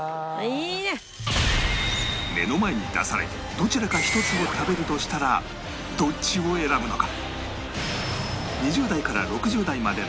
目の前に出されてどちらか１つを食べるとしたらどっちを選ぶのか？